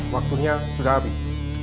waktunya sudah habis